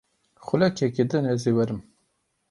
Xulekeke din ez ê werim.